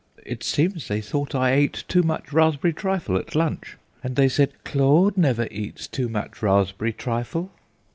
It seems they thought I ate too much raspberry trifle at lunch, and they said Claude never eats too much raspberry trifle.